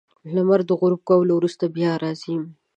• لمر د غروب کولو وروسته بیا راځي.